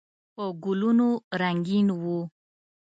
په ګلونو رنګین و.